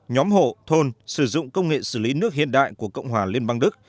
nhóm hộ thôn sử dụng công nghệ xử lý nước hiện đại của cộng hòa liên bang đức